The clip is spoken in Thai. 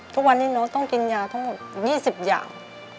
ทุกวันนี้น้องต้องกินยาทั้งหมด๒๐อย่าง